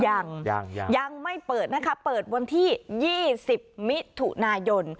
ยังยังไม่เปิดนะคะเปิดวันที่๒๐มิถุนายน